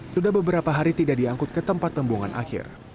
sudah beberapa hari tidak diangkut ke tempat pembuangan akhir